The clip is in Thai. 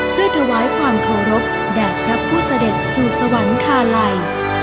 เพื่อถวายความเคารพแด่พระผู้เสด็จสู่สวรรคาลัย